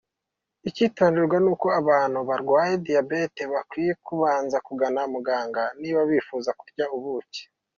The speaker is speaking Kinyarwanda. Icyitonderwa nuko ku bantu barwaye diabete bakwiye kubanza kugana muganga niba bifuza kurya ubuki.